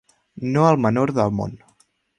No el menor del món.